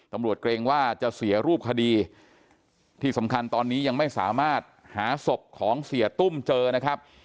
เกรงว่าจะเสียรูปคดีที่สำคัญตอนนี้ยังไม่สามารถหาศพของเสียตุ้มเจอนะครับ